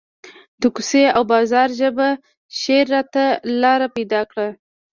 د کوڅې او بازار ژبه شعر ته لار پیدا کړه